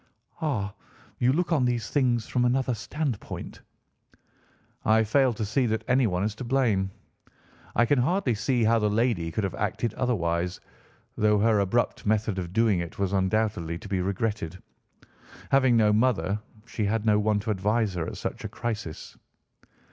"Ah, you look on these things from another standpoint." "I fail to see that anyone is to blame. I can hardly see how the lady could have acted otherwise, though her abrupt method of doing it was undoubtedly to be regretted. Having no mother, she had no one to advise her at such a crisis."